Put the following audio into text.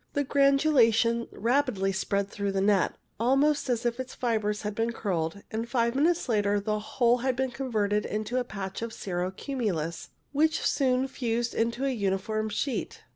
The granulation rapidly spread through the net, almost as if the fibres had been curdled, and five minutes later the whole had been converted into a patch of cirro cumulus which soon fused into a uniform sheet.